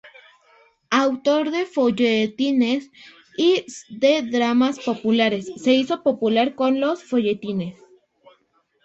Autor de folletines y de dramas populares, se hizo popular con los folletines.